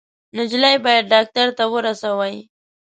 _نجلۍ بايد ډاکټر ته ورسوئ!